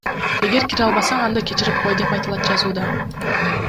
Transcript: Эгер кире албасан, анда кечирип кой, — деп айтылат жазууда.